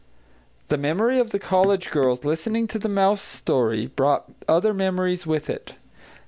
The memory of the college girls listening to the mouse story brought other memories with it.